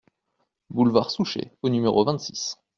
Boulevard Souchet au numéro vingt-six